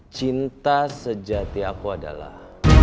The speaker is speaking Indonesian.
cinta sejati aku adalah